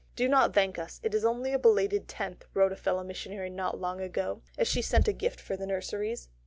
"Do not thank us. It is only a belated tenth," wrote a fellow missionary not long ago, as she sent a gift for the nurseries.